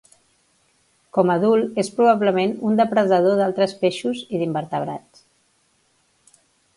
Com a adult, és probablement un depredador d'altres peixos i d'invertebrats.